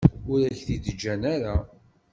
Ur ak-t-id-ǧǧan ara.